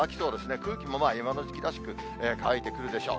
空気もまあ、今の時期らしく乾いてくるでしょう。